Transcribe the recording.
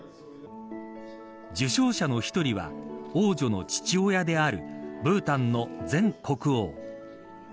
受賞者の１人は王女の父親であるブータンの前国王。